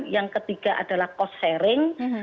yang ketiga adalah cost sharing